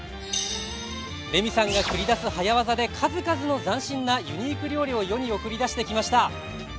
レミさんが繰り出す早わざで数々の斬新なユニーク料理を世に送り出してきました。